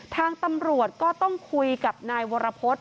ทางตำรวจก็ต้องคุยกับนายวรพฤษ